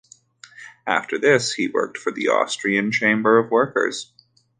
After this, he worked for the Austrian Chamber of Workers.